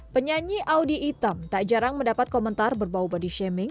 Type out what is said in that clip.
penyanyi audi itam tak jarang mendapat komentar berbau body shaming